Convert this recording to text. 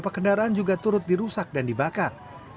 lima kendaraan juga turut dirusak dan dibakar